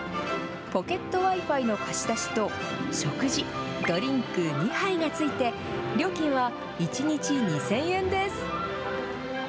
ポケットＷｉ−Ｆｉの貸し出しと食事、ドリンク２杯がついて、料金は１日２０００円です。